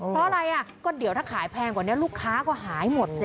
เพราะอะไรอ่ะก็เดี๋ยวถ้าขายแพงกว่านี้ลูกค้าก็หายหมดสิ